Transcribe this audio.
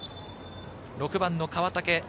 ６番・川竹。